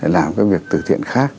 làm cái việc từ thiện khác